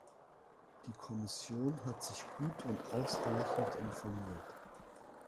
Die Kommission hat sich gut und ausreichend informiert.